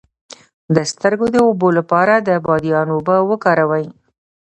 د سترګو د اوبو لپاره د بادیان اوبه وکاروئ